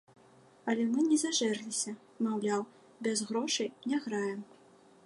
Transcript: Але мы не зажэрліся, маўляў, без грошай не граем.